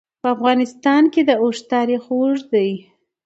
په افغانستان کې د اوښ تاریخ اوږد دی.